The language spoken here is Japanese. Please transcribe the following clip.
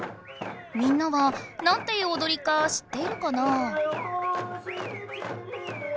みんなは何ていうおどりか知っているかなあ？